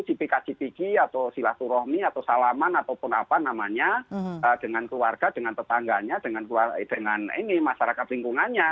jika itu itu dengan keluarga dengan tetangganya dengan masyarakat lingkungannya